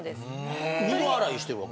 二度洗いしてるわけ？